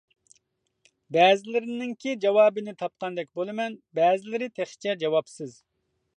بەزىلىرىنىڭكى جاۋابىنى تاپقاندەك بولىمەن، بەزىلىرى تېخىچە جاۋابسىز.